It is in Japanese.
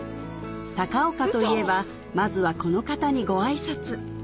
高岡といえばまずはこの方にごあいさつ